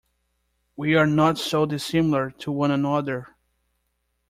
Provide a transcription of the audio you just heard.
We are not so dissimilar to one another.